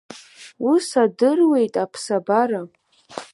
Ус адыруеит аԥсабара.